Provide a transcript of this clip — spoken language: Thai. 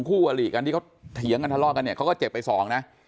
ในกลุ่มคู่ขแลรีกกันที่เขาเถียงกันทะเลาะกันกันเนี่ยเขาก็เจ็บไป๒นะ